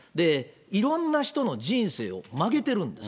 いろんな人の人生を曲げてるんです。